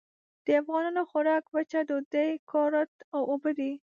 د افغانانو خوراک وچه ډوډۍ، کُرت او اوبه دي.